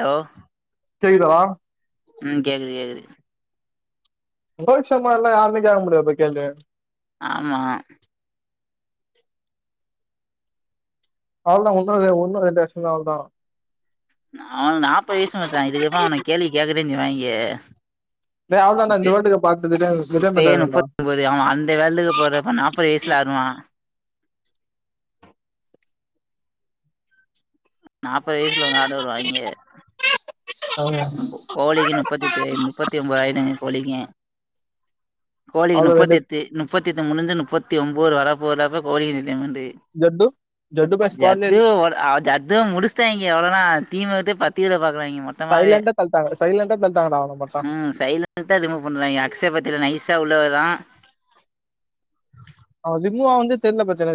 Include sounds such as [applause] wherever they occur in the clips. hello கேக்குதரா ம் கேக்குது கேக்குது ரோகித்ஷார்மாலா யாருமே கேக்க முடியாது போய் கேள்வி ஆமா அவ்ளதா உன்னோ ஒன்னு ரெண்டு வர்ஷந்தா அவ்ள்தா நானு நாப்பது வயசு மச்சா இதுக்குதா அவன கேள்வி கேக்கதெ சய்வாங்கே டேய் அவள்தான் நான் இந்த இப்ப வேர்ல்டு கப் ஆட்டு ரிட்டைர்மெண்ட் இப்பயே ஆயிடும்டா ணுப்பத் ஒம்போது அவுங்க அந்த வேல்டுக்கு போறப்ப நாப் ணுப்பது வயசுல ஆருவா நாப்பது வயசுல உங்க ஆட வுடுவாங்கே [inaudible] ஹோலிக்கு முப்பத்தெட்டு முப்பத்தி ஒம்போது ஆய்டு கோலிக்கி கோலிக்கு அவ்வளவு ரெண்டு ணுப்பத்தெட்டு ணுப்பத்தி எட்டு முடிஞ்சு ணுப்பத்தி ஒம்போது வரப்போரப்ப கோலி ஜட்டு ஜட்டு பை [unintelligible] ஸ்குவாட்ல ஜது ஓட அது ஜது முடுச் ச்டாங்கெ அவ்ளோதா டீமவிட்டே பத்திவிட பாக்குறாங்கே மொத்தமாவே [unintelligible] சரி இல்லனா பெத்தாங்கட மச்சா ம் சைலண்டா ரிமு பண்றாங்கே அக்ஸய பத்தில நைசா உள்ள வரா அவ ஜிம்முவா வந்து தெர்ல பத்யாட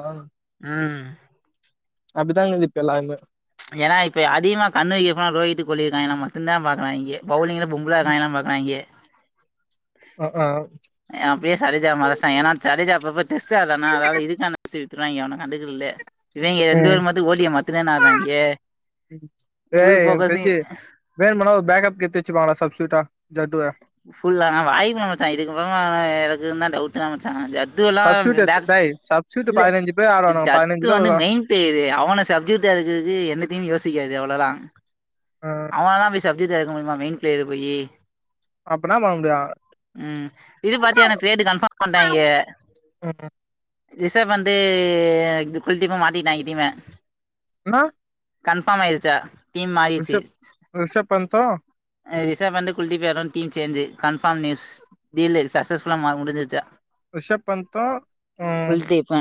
[unintelligible] ம் அப்டிதாங்குது இப்ப எல்லாமே ஏன்னா இப்ப அதிகமா கண்ணு வக்கெ போனா ரோகித் ஹோலி இர்காங்கெலா மட்டுந்தா பாக்குறாங்கே பவுலிங்ல பொம்பல ஆட்ராங்கெலான் பாக்குறாங்கே ஆ ஆ அப்டியே சரிஜா மறச்டாங் ஏன்னா சரிஜா அப்ப அப்ப தெஸ் ஆட்றானா அதாவ்து இருக்கா [unintelligible] திருவாங்கே யவனு கண்டுகிர்ல இவங்கெ ரெண்டு பேரு மட்டு ஓலிய மத்துனே ஆட்றாங்கே ஃபுல் ஏய் எனக்கு போக்கசையு தெரிஞ்சு வேணும்னா ஒரு பேக்கப் கெடுத்து வச்சுருபாங்கடா சப்சூட்டா ஜட்டுவ ஃபுல்லா வாங்கிருப்பா மச்சா இதுக்கப்றோ எனக் [inaudible] டவுட் தா மச்சா த்துல்லா சப்ஸ்டியூட் பேக் டேய் சப்ஸ்டியூட் இல்ல பதினஞ்சு பேர் ஸ்த் ஆடுவானுங்க ஜத்து பதினஞ்சுல வந்து ஒரு மெயின் ந்தேரு அவன சப்ஜுட்டா இருக்குறக்கு எந்த டீமு யோசிக்காது அவ்ளோதா அ அவனல்லா போய் சப்சூட்டா எடுக்க முடியுமா மெயின் பிளேயர போயி அப்பென்ன பண்ணமுடியு ம் இது பாத்தியா எனக்கு ட்ரேட்டு கன்ஃபாம் பண்டாங்கே ம் ம் ரிசவ் வந்து இது குள்த்தீபு மாத்திட்டாங்கெ டீம இன்னா கன்ஃபாம் ஆயிருச்சா டீம் மாறிச்சு ரிஷப் ரிஷப் பந்தா அ ரிசவ் பந்து குள்திபியாதா team change confirm news deal சக்சஸ்ஃபுல்லா மாறு முடுஞ்சிர்ச்சா ரிஷப் பந்தா அ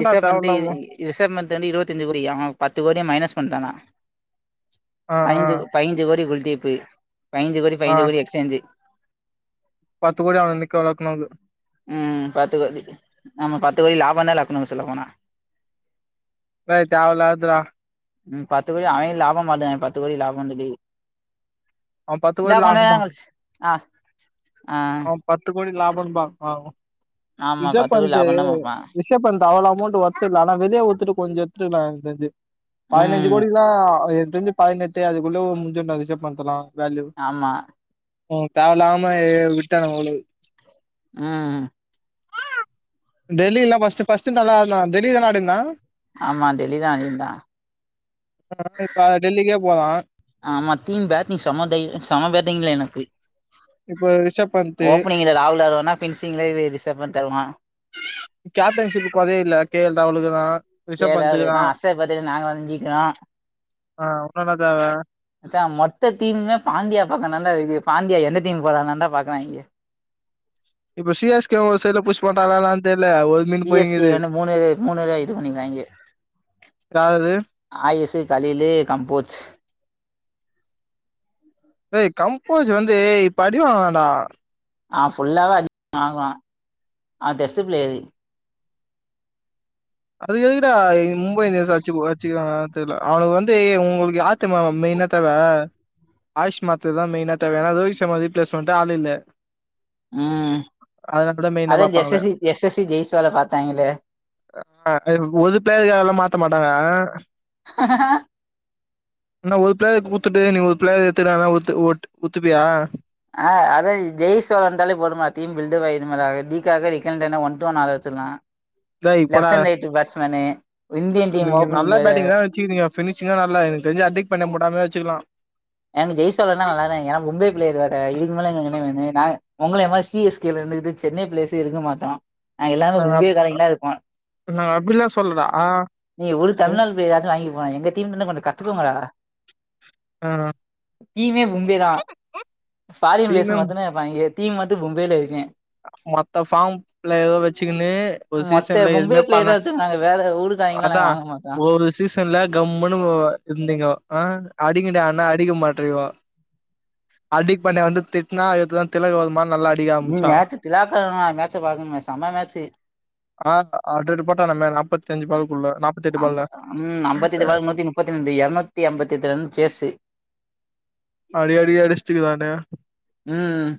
ரிஷப் பந்தே தேவயில்லாம ரிசப் மன்த்து வந்து இருபத்தஞ்சு கோடியா பத்து கோடிய மைனஸ் பண்டானா ஆ ஆ பைஞ்சு பைஞ்சு கோடி குல்தீப்பு பைஞ்சு கோடி ஆ பைஞ்சு கோடி எக்ஸ்சேஞ்சு பத்து கோடி அவன [unintelligible] ம் பத்து கோடி நம்ம பத்து கோடி லாபன லக்குணுங்க சொல்ல போனா இப்ப தேவயில்லாததலா ம் பத்து கோடி அவன் லாபம் [unintelligible] பத்து கோடி லாபம்து அவன் பத்து இத கோடி கொண்டநேர லாபம்பா கழிச்சு ஆ ஆ அவன் பத்து கோடி லாபம் பாப்பா ஆமா பத்து கோடி ரிஷப்பந்த்து லாபம் தான் பாப்பான் ரிஷப்பந்த் அவ்ளவு அமௌண்ட் ஒத்துல ஆனா வெளிய ஒத்துட்டு கொஞ்சோ [unintelligible] பத்னெஞ்சு ம் கோடில்லா என்க் தெஞ்சு பதினெட்டு அதுக்குள்ள முஞ்உட்டாது ரிஷப்பந்துல வேல்யூ ஆமா உங்களுக்கு தேவல்லாம விட்டாங்க [unintelligible] ம் டெல்லி இல்ல ஃபஸ்ட் ஃபஸ்ட் நல்லா ஆடுனா டெல்லில்ல ஆடிந்தா ஆமா டெல்லிதா அடி இருந்தா அ இப்ப அத டெல்லிக்கே போலா ஆமா தீம் பேட்டிங் செமத செம பேட்டிங்ல எனக்கு இப்போ ரிஷப் பந்த் ஓபனிங்ல ராகுல் வருவனா பினிஷிங்லய ரிஷப்பந்த் பண்ணி தருவா கேப்டன்ஷிப் குதே இல்ல கே எல் ராகுலுக்கு தா ரிஷப் கேளாவ பண்ட்டுக்கு இருக்க தா அச பத்து நாங்க வஞ்சிக்கிறோ ஆ உன்னு என்ன தேவ மச்சா மொத்த தீமுமே பாண்டியா பக்கதாண்டா இருக்கு பாண்டியா எந்த தீம் போறான் தாண்டா பாக்குறாங்கே இப்ப சி எஸ் கே ஒர் சைட்ல புஷ் போட்டாங்ளளாள்ன் தெர்ல ஒ சி எஸ் கே கான மூணுது மூணுதா இது பண்ணி காய்ங்க யாரது ஆயுசு காலைலேயே கம்போச்சு ஏய் கம்போஸ் வந்து இப்ப அடி வாங்கினான்டா அவ ஃபுல்லாவே அடி வாங்குவா அவ டெஸ்ட் ப்ளேயரு அது கெதுக்கிடா எய் மும்பை இத எத அச்சுஒச்சுகறாங்க தெர்ல அவனுக் வந்து உங்ளுக்கு யார்தெம்மா மெய்ன தேவ ஆயஷ் மாத்திர தான் மெயினா தேவையானா [unintelligible] ரீப்ளேஸ்மண்ட ஆள் இல்ல ம் அதனால தா மெயினா அதான் பாப்பாங்களே ஜஸ்எஸ்சி ஜஸ்எஸ்சி ஜெய்ஸ்வால பாத்தாங்களே அ ஒது பேருக்க எல்லா மாத்த மாட்டாங்க [inaudible] இந்தா ஒரு பிளேயர கூத்துட்டு நீ ஒரு பிளேயர எத்துனாத ஒத்து ஒட் ஒத்துப்பியா ஆ அதா ஜெய்ஸ்ஸோ வந்தாலே பொறுமார்டீம் பில்டமாய்டுமடா [unintelligible] ஒன் டூ ஒன் ஆட வச்சிர்லா டேய் போடா left and right batsman Indian team opening வே வச்சுகுங்க பினிஷ்ங்கே வரல எனக்கு தெரிஞ்சு அர்திக் பாண்டியா பண்ண முடாமே வச்சுகலா ஏங்க ஜெய்சோலர்லா நல்லால்லைங்க ஏனா மும்பை பிளேயர் வேற இதுக் மேலங்க என்னவேனே நாங் உங்ளே மாரி சி எஸ் [unintelligible] சென்னை பிளேஸே இருக்க மாத்தோ எல்லாரு நாங்க கும்பிய அப் காலைல்லா இருப்போ நாங்க அப்டிலா சொல்லடா ஆ நீங்க ஒரு ம் தமிழ்நாட் பேய் ஏதாச்சு வாங்கி போனா எங்க தீம் இன்னுகொன்னு கத்துக்கோங்கடா ம் தீமே பும்பேதான் ஃபாரின் பிளேஸ் டீமும் மத்தனேப்பாங்க தீம் மட்டு பும்பேில இருக்கே மொத்த ஃபாம்ல ஏதோ வச்சுக்குனு ஒரு சீசன்ல எதுவுமே பண்ண நாங்க வேற ஊருக்கு ஒனதா ஒரு சி ஸ் துல கம்முனு ஒ இர்ந்தீங்கோ ஆ அடிங்டானா அடிக்க மாட்ரிவோ அடிக் பண்ண வந்து திட்ணா இத்தா திலக்வருமா நல்லா அடிக்க ம் ஆரம்பிச்சா நேத்து [unintelligible] மேச்ச பாக்கணு செம்ம மேச்சு அ ஹண்டர்டு போட்டானாமே நாப்பத்தி அஞ்சு பாலுகுள்ள நாப்பத்தி எட்டு அம்ப பால்ல ம் அம்பத்தெட்டு [unintelligible] எரநூத்தி ஐம்பத்த எட்டு ரன் சேசு அடி அடி அடிஸ்டுக்கு தான ம்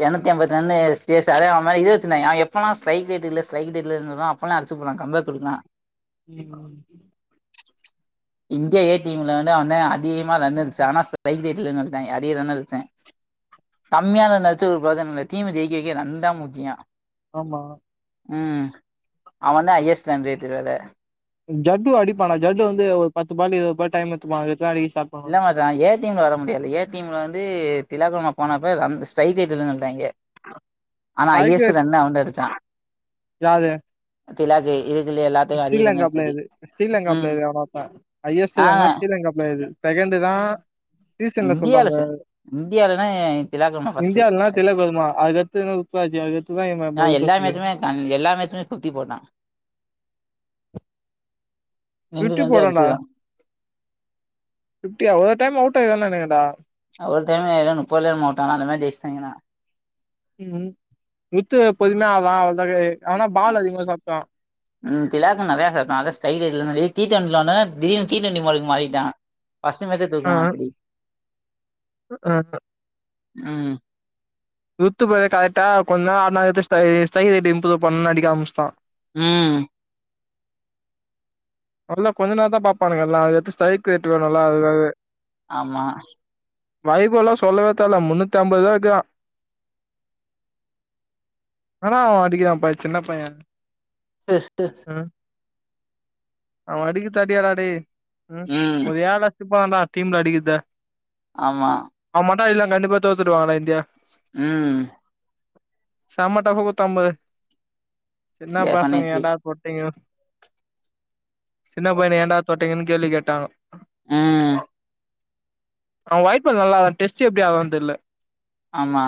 எறண்ணூத்தி ஐம்பத்தி ரன்னு [unintelligible] அது மாரி இது வச்சிருந்தாயா எப்பல்லா ஸ்டைக்கே தெர்ல ஸ்டைக்கே தெர்ல சொல்றான்னோ அப் இல்லா அச்சு போல கம்பே குடுக்கலா [inaudible] இந்தியா ஏ டீம்ல வந்து அவ தா அதிகமா ரன் அடுச்சா ஆனா ஸ்டைக் ரேட்லன்ருந்து வந்துடாய்ங்க அதே ரன் அடுச்சாய்ங்க கம்மியா நெனச்சு ஒரு பிரயோஜன இல்ல தீம ஜெயிக்க வைக்க ரன் தா முக்கிய ஆமா ம் அவ தா ஹையஸ்ட் ரன் ரேட்டு இதோட ஜட்டு அடிப்பானா ஜட்டு வந்து ஒரு பத்து பால் இருபது பால் டைம் எத்துப்பா அதுகுள்ள அடிக்க ஸ்ட்ராட் இல்லாத் தா ஏ டிம்ல வர முடியது ஏ டிம்ல வந்து திலாக்குமார் போனப்ப அந் ஸ்டைக் [unintelligible] வந்ட்டாயிங்க ஆனா ஹையஸ்ட் ஸ்ட்ரைக்கர் ரன் அவன்தா அடுச்சா யாரு திலாக்கு இதுக்குல எல்லாத் ஸ்ரீலங்கா பிளேயரு ஸ்ரீலங்கா பிளேயர் எவனோ ஒருத்தன் ஹையஸ்ட் ஆங்க வேணுனா ஸ்ரீலங்கா பிளேயரு செகண்டு் தா சீசன்ல இந்தியால சொல்றாங்க சொல் இந்தியாலனா திலாக்ரமா ஃபர்ஸ்ட்டு இந்தியால்லா திலக் வதுமா [unintelligible] [unintelligible] நா அன்னைக்கு எல்லா மேட்ச்சுமே சுத்தி போட்ட நிண்டு நிண்டு அடிச்சுதா ஃபிஃப்டியா ஒரு டைம் அவுட்டா ஆயிருக்கான்னு நெனக்கறன்டா ஒரு டைம்ல எதோ முப்பதுலயே மாட்டு ஆனா அந்த மாரி ஜெயிச்சுடாங்கன்னா ம் முத்து பொதுமைய ஆதா அவ்ளோதா ஆனா பால் அதிகமா சாப்ட்டா திலாக்கு நெறய சாப்ட்டா அத ஸ்டைல் இது தீ டன் லானர் தி என் டி டி டுவெண்ட்டி மால்க்கு மாறிட்டா அசிம் அட்ச்சு தூக்குனா அப்டி ம் த்து போரட் ஆயிட்டா கொஞ்சோ ஆட்னா [unintelligible] இம்ப்ரூவ பண்ணுன்னு அடிக்க ஆரமிச்சுட்டா ம் நல்லா கொஞ்ச நேரந்தான் பாப்பானுக எல்லா அது எத்து ஸ்ட்ரைக் ரேட்டு வேனுல்லா அதுக்காவே ஆமா வைபோ எல்லா சொல்லவே தேவல்ல முன்னூத்தி ஐம்பதுதான் இக்கிரான் ஆனா அவன் அடிக்கதான் ப சின்ன பையன் [unintelligible] அவன் அடிக்கு தடியாடா டே ம் ஒரு ஏழ அச்சப்பான்லா டீம்ல அடிக்குத ஆமா அவன் மட்டு இல்ல கண்டிப்பா தோத்துடுவாங்கடா இந்தியா ம் செம டஃப் குடுத்தான் பாரு சின்ன பசங்க டெஃபனெட்லி ஏன்டா போட்டீங்க சின்ன பையன ஏண்டா தொட்டீங்கன்னு கேள்வி கேட்டாஙோ எ அவுங்க வாய்ப்பு நல்லாதான் டெஸ்ட் எப்டி ஆடுவான் தெர்ல ஆமா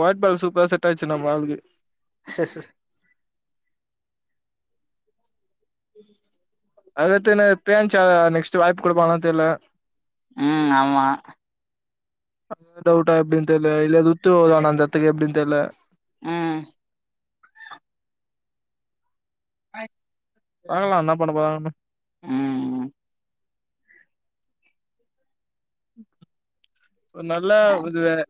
வைய்டு பால் சூப்பரா செட் ஆயிச்சு நம்ம ஆளுக்கு ச ச ச ம் அது எடுத்துக்கணு தேன்ச்சா நெக்ஸ்ட் வாய்ப்பு குடுப்பாங்களான்னு தெர்ல ம் ஆமா அந்த டவுட்டா எப்டின்னு தெர்ல இல்லது துட்டு வருதா ஆனா அந்த எத்துக்கு எப்டின் தெரில ம் பாக்கலா என்ன பண்ண போறாங்கனு ம் ஒரு நல்லாவுது வேற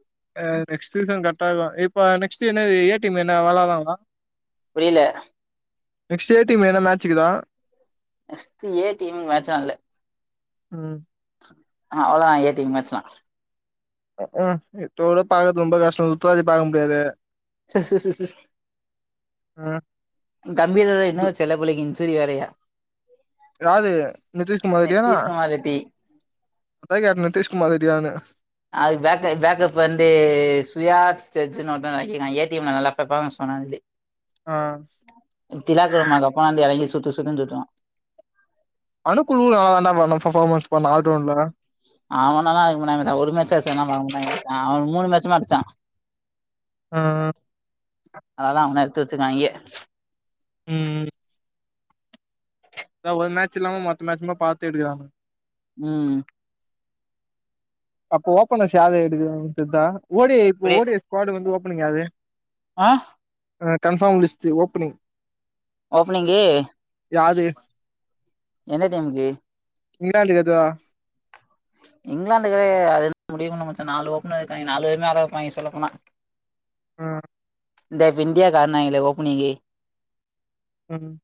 அ நெக்ஸ்ட் சீசன் கட்டாகுதா இப்ப நெக்ஸ்டு என்னது ஏ டீம் என்ன வெளாலாமா புரில நெக்ஸ்டு எ டீம்ல எதுனா மேச்சுகுதா நெக்ஸ்ட்டு ஏ டீம் மேட்சாகல ம் அ அவ்ளதா ஏ டி ம் மேச்லா இத்தோட பாக்கறது ரொம்ப கஷ்டம் முப்பதா தேதி பாக முடியாது ச ச ச ச அ தம்பி இன்னு செல புள்ளக்கி இன்சுரி வேரையா யாரு நிதிஷ்குமார் கிட்டயானா நிதிஷ்குமார் ரெட்டி அதா யார் நிதிஷ்குமார்டாயானு அது பேக்க பேக்கப் வந்து சுயாக் சர்ஜுன்னு ஒருத்தன் இறக்கிகான் ஏ டி எம்ல நல்லா ஃபர்பாமன்ஸ் பன்னானு சொல்லி [inaudible] ஆ திலாக்குமாகு அப்பறம் வந்து எறங்கி சுத்து சுத்துனு சுத்துவான் அனு குழு நல்லா தான்டா பண்ணா ஃபர்ஃபாமன்ஸ் பண்ணா ஆல்ரவுன்ட்ல அவனல்லா எதுவு பண்ணாதிங்கடா ஒரு மேச்சா அட்சா [unintelligible] அவ மூனு மேச்சுமே அடுச்சா [inaudible] ஆ அ அதால அவன எடுத்து வச்சுக்காங்யே ம் ஒரு மேட்ச் இல்லாம மத்த மேச்சுமெ பாத்து எடுக்குறாங்கோ ம் அப்ப ஓபனஸ் யாரு எடுக்றது தெர்தா ஓடி இப்ப அப்படியே ஓடியஸ்குவாடு வந்து ஓபனிங் ஆகுது ஆ ஆ கன்ஃபார்ம் லிஸ்டு ஓபனிங் ஓப்பனிங்கு யாது என்ன டைம்க்கு இராலி அதா இங்கிலாந்துக்கு அது முடிவு பண்ணல மச்சான் நாளு ஓப்பன் இருக்காங்கே நாலுபேரப்பாங்க சொல்ல போனா ம் இந்த இப் இந்தியாக்கு ஆட்னாய்ங்லே ஓப்பனிங்கு ம்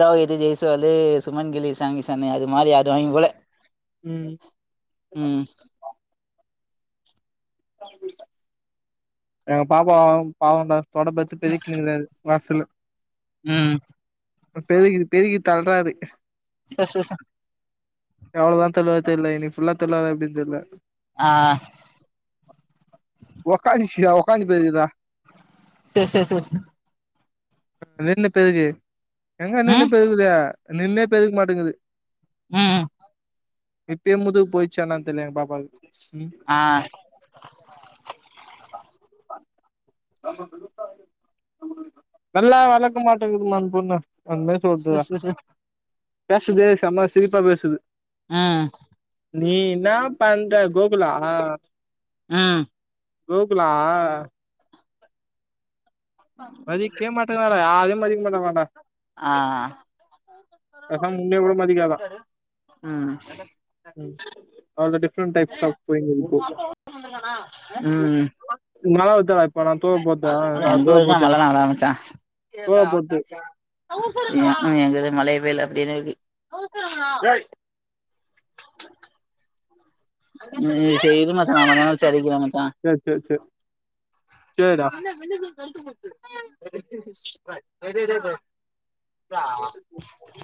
ரோகித்து ஜெய்ஸ்வாலு சுமங்கிலி இஷான்கிஷானு அது மாரி [unintelligible] போல ம் ம் [inaudible] ஆ பாப்பாவு பாவோ தா தொடப்ப எத்து பெரிக்கினுருக்குது அது வாசுல ம் ப்ப பெருகிட்டு பெருக்கி தள்ராரு ச ச ச எவ்ளதா தெர்ல தெர்ல இன்னைகி ஃபுல்லா தெர்லாலா எப்டின் தெர்ல ஆ ஒக்காந்துச்சா ஒக்காந்து பெருக்குதா சேர் சேர் சேர் சே ஒன்னு தேதி எங்க நின்னு ம் பெய்யுது நின்னே பெருக்க மாட்டுங்குது அ ஆ இப்பியே முதுகு போயிச்சா என்னானு தெர்ல எங்க பாப்பாக்கு ம் ஆ [inaudible] நல்லா வெளக்க மாட்டங்குதுமா அந் பொண்ணு அந்தே ச சொல்துதா ச ச பேசற்தே செம சிரிப்பா பேசுது ஆ நீ இன்னா பண்ற கோகுலா ம் கோகுலா மதிக்கேமாட்டுறால யாரியும் மதிக் மாட்டா மாட்டா ஆ அதா இங்க விடமாட்டிருங்காள ம் ம் அவுள்தா டிப்ரன்ட் டைப்ஸ் ஆப் பொய்னு இருக்கு ம் எப்பினா ஒரு தட்வ போறா டூ ஓ கிளாக் தூர போத்து [unintelligible] ம் ம் அப்டே மழயே பெய்ல அப்டேதா இருக்கு [inaudible] செரி இரு மச்சான நா கொஞ்ச நேர கழிச்சு அடிக்கிறே மச்சா சேரி சேரி சேரி சேரிடா [unintelligible] [unintelligible]